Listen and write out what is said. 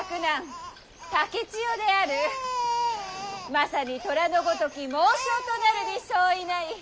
まさに寅のごとき猛将となるに相違ない。